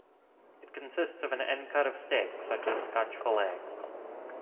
It consists of an end cut of steak, such as scotch fillet.